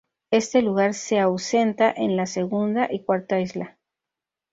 Este lugar se ausenta en la segunda y cuarta isla.